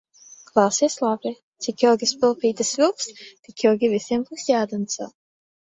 Klausies labi: cik ilgi svilpīte svilps, tik ilgi visiem būs jādanco.